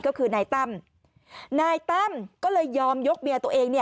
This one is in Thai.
ก็คือนายตั้มนายตั้มก็เลยยอมยกเมียตัวเองเนี่ย